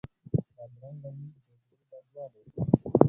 بدرنګه لید د زړه بدوالی ښيي